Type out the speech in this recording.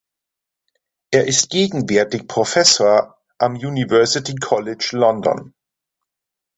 Er ist gegenwärtig Professor am University College London.